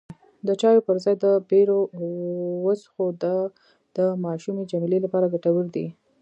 د چایو پر ځای به بیر وڅښو، دا د ماشومې جميله لپاره ګټور دی.